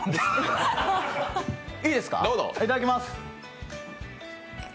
いただきます。